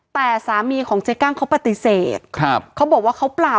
แต่สามีของเจ๊กั้งเขาปฏิเสธครับเขาบอกว่าเขาเปล่า